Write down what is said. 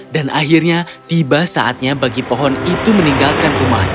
dan akhirnya tiba saatnya bagi pohon itu meninggalkan rumahnya